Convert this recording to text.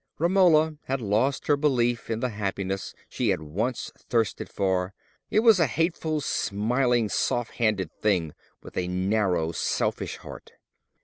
Romola had lost her belief in the happiness she had once thirsted for: it was a hateful, smiling, soft handed thing, with a narrow, selfish heart.